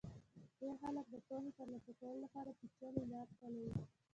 ډېر خلک د پوهې ترلاسه کولو لپاره پېچلې لار خپلوي.